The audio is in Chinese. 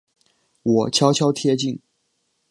我悄悄贴近